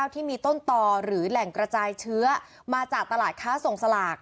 ที่มีต้นต่อหรือแหล่งกระจายเชื้อมาจากตลาดค้าส่งสลาก